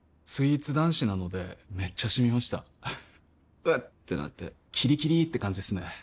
スイーツ男子なのでめっちゃシミました「うっ」ってなってキリキリって感じですね